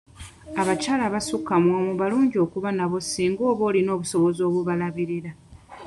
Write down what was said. Abakyala abasukka mu omu balungi okuba nabo singa oba olina obusobozi obubalabirira.